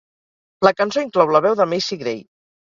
La cançó inclou la veu de Macy Gray.